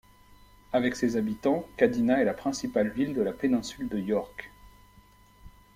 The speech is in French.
Avec ses habitants, Kadina est la principale ville de la péninsule de Yorke.